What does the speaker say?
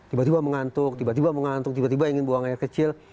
tiba tiba mengantuk tiba tiba mengantuk tiba tiba ingin buang air kecil